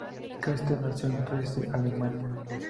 Kästner nació en Dresde, Alemania.